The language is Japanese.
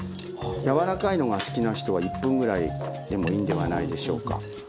柔らかいのが好きな人は１分ぐらいでもいいんではないでしょうか。